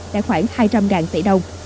đã khoảng hai trăm linh tỷ đồng